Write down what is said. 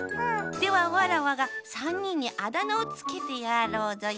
ではわらわがさんにんにあだなをつけてやろうぞよ。